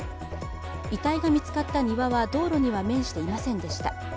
遺体が見つかった庭は道路には面していませんでした。